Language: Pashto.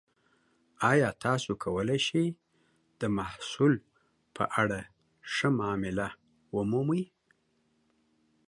ایا تاسو کولی شئ د محصول په اړه ښه معامله ومومئ؟